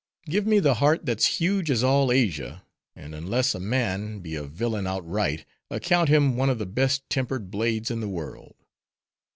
Give me the heart that's huge as all Asia; and unless a man, be a villain outright, account him one of the best tempered blades in the world.